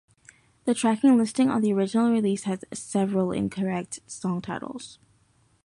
The track listing on the original release has several incorrect song titles.